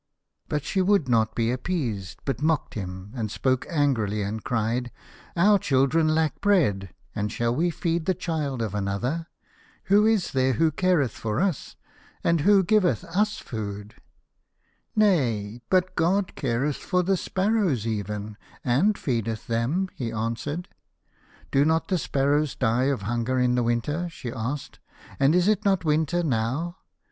But she would not be appeased, but mocked at him, and spoke angrily, and cried :" Our children lack bread, and shall we feed the child of another ? Who is there who careth for us ? And who giveth us food ?"" Nay, but God careth for the sparrows even, and feedeth them," he answered. " Do not the sparrows die of hunger in the winter ?" she asked. " And is it not winter now ?